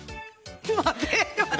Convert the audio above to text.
ちょっと待って。